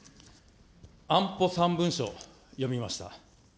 安保３文書、読みました。